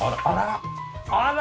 あら？